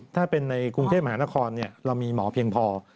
ถ้าเป็นในกรุงเทพมหานครเรามีหมอเพียงพอ